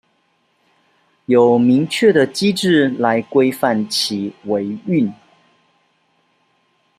有明確的機制來規範其維運